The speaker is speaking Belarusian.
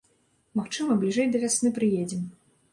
Магчыма, бліжэй да вясны прыедзем.